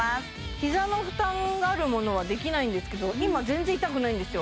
膝の負担があるものはできないんですけど今全然痛くないんですよ